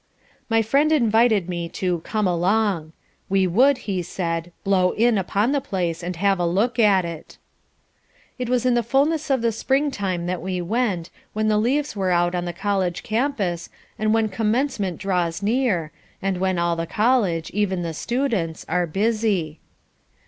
My friend invited me to "come along." We would, he said, "blow in" upon the place and have a look at it. It was in the fullness of the spring time that we went, when the leaves are out on the college campus, and when Commencement draws near, and when all the college, even the students, are busy.